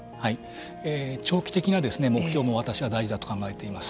長期的な目標も私は大事だと考えています。